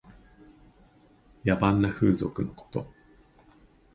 野蛮な風俗のこと。